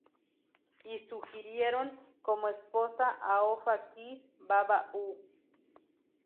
Y sugirieron como esposa a Ofa-ki-Vava´u.